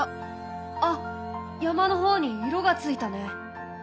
あ山の方に色がついたね！